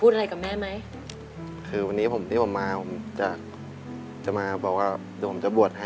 ลูกชายคนโตก็คือพ่อของน้องกล้าวที่ยืนอยู่ตรงนี้ก็เป็นลูกชายคน